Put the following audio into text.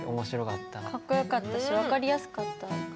かっこよかったし分かりやすかった。